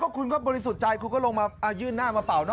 คุณก็บริสุทธิ์ใจคุณก็ลงมายื่นหน้ามาเป่าเน